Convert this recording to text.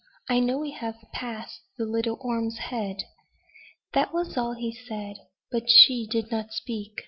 I know we have passed the little Ormes' head." That was all he said; but she did not speak.